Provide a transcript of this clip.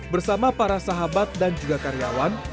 bersama para sahabat dan juga karyawan